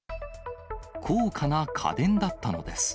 高価な家電だったのです。